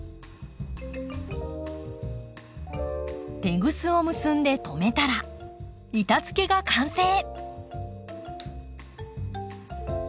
テグスを結んで留めたら板づけが完成。